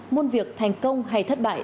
muôn việc thành công hay thất bại